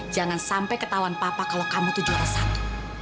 jangan sampai ketahuan papa kalau kamu itu juara satu